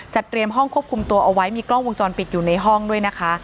เตรียมห้องควบคุมตัวเอาไว้มีกล้องวงจรปิดอยู่ในห้องด้วยนะคะ